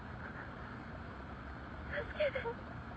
助けて。